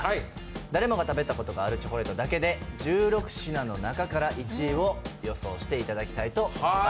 誰もが食べたことがあるチョコレートだけで１６品の中から１位を予想していただきたいと思います。